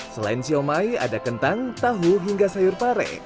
selain siomay ada kentang tahu hingga sayur pare